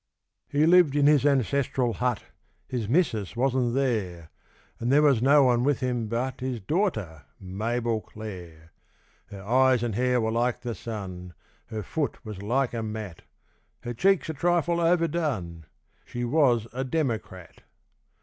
He lived in his ancestral hut His missus wasn't there And there was no one with him but His daughter, Mabel Clare. Her eyes and hair were like the sun; Her foot was like a mat; Her cheeks a trifle overdone; She was a democrat.